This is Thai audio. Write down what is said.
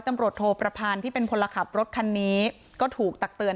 ตำรวจโทประพันธ์ที่เป็นพลขับรถคันนี้ก็ถูกตักเตือน